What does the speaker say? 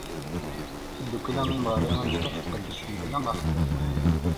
Tidukkla Imeɣri amecṭuḥ tqeddec war aḥbas.